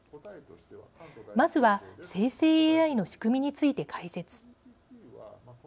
まずは生成ＡＩの仕組みについて解説。